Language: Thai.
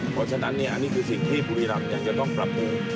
เพราะฉะนั้นอันนี้คือสิ่งที่บุรีรำอยากจะต้องปรับปรุง